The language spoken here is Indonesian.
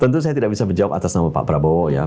tentu saya tidak bisa menjawab atas nama pak prabowo ya